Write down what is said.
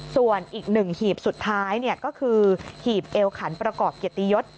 ส่วนอีกหนึ่งหีบสุดท้ายก็คือหีบเอวขันประกอบเกียรติยศ